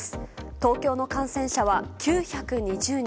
東京の感染者は９２０人。